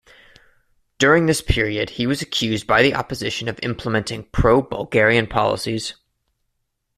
During this period, he was accused by the opposition of implementing pro-Bulgarian policies.